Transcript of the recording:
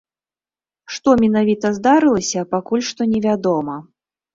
Што менавіта здарылася, пакуль што невядома.